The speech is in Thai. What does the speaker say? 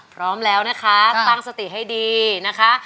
พร้อมแล้วนะคะตั้งสติให้ดีนะคะ